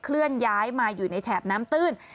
เคลื่อนย้ายมาอยู่ในแถบน้ำตื้น